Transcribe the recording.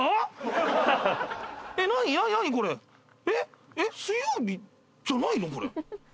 えっ？